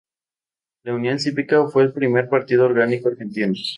La Unión Cívica fue el primer partido orgánico argentino.